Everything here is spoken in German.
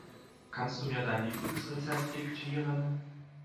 Kannst du mir dein Lieblingsrezept diktieren?